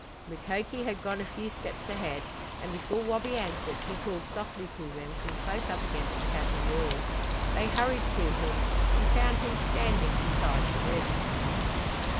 Mukoki had gone a few steps ahead, and before Wabi answered he called softly to them from close up against the chasm wall. They hurried to him and found him standing beside the rift.